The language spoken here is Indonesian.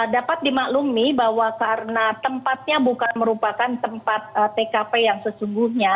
dapat dimaklumi bahwa karena tempatnya bukan merupakan tempat tkp yang sesungguhnya